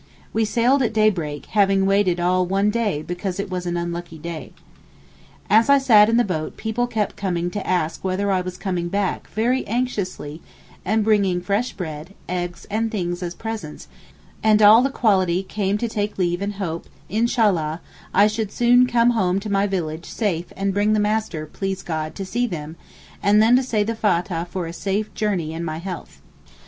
We sailed at daybreak having waited all one day because it was an unlucky day. As I sat in the boat people kept coming to ask whether I was coming back very anxiously and bringing fresh bread, eggs and things as presents, and all the quality came to take leave and hope, Inshallah, I should soon 'come home to my village safe and bring the Master, please God, to see them,' and then to say the Fattah for a safe journey and my health.